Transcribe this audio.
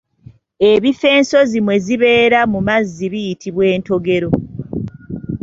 Ebifo ensonzi mwe zibeera mu mazzi kiyitibwa Ntogero.